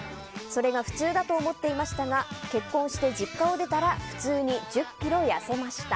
それが普通だと思っていましたが結婚して、実家を出たら普通に１０ｋｇ痩せました。